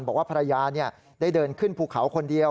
บอกว่าภรรยาได้เดินขึ้นภูเขาคนเดียว